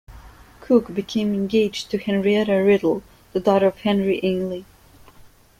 Cooke became engaged to Henrietta Riddle, the daughter of Henry Ainley.